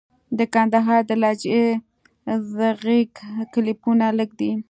د کندهار د لهجې ږغيز کليپونه لږ دي.